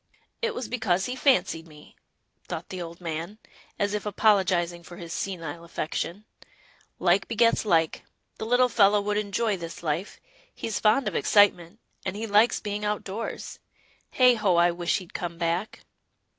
" It was because he fancied me," thought the old man, as if apologizing for his senile affection. " Like begets like. The little fellow would enjoy this Hfe — he's fond of excitement, and he likes being out doors. Heigh ho! I wish he'd come back."